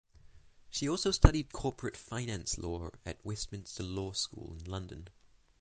She also studied Corporate Finance Law at Westminster Law School in London.